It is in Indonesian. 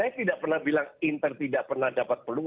saya tidak pernah bilang inter tidak pernah dapet keputusan